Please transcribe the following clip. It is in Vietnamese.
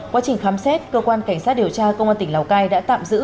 quá trình khám xét cơ quan cảnh sát điều tra công an tỉnh lào cai đã tạm giữ